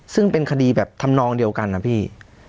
ซึ่งเป็นคดีแบบทำนองเดียวกันนะพี่